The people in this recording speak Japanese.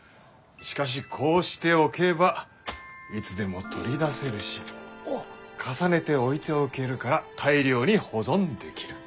しかしこうしておけばいつでも取り出せるし重ねて置いておけるから大量に保存できる。